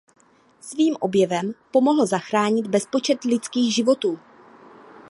Svým objevem pomohl zachránit bezpočet lidských životů.